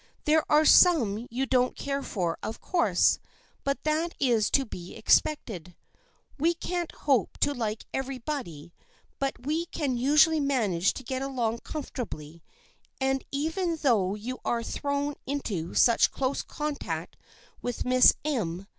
There are some you don't care for of course, but that is to be expected. We can't hope to like everybody, but we can usually manage to get along comfort ably, and even though you are thrown into such close contact with Miss M.